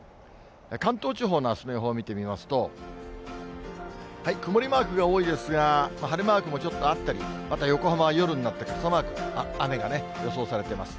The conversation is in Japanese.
関東地方のあすの予報を見てみますと、曇りマークが多いですが、晴れマークもちょっとあったり、また横浜は夜になって傘マーク、雨が予想されています。